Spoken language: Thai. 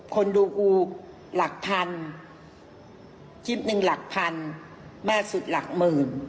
คนดูกูหลักพันคลิปหนึ่งหลักพันมากสุดหลักหมื่น